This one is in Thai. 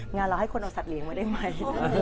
งานเราให้คนเอาสัตว์เลี้ยงมาได้ไหม